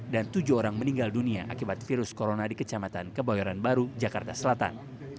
dan tujuh orang meninggal dunia akibat virus corona di kecamatan kebawaran baru jakarta selatan